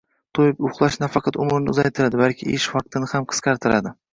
To'yib uxlash nafaqat umrni uzaytiradi, balki ish vaqtini ham qisqartiradi..